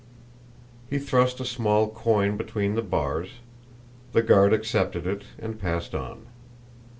He thrust a small coin between the bars; the guard accepted it and passed on.